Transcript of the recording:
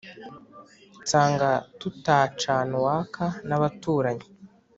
nsanga tutacana uwaka n'abaturanyi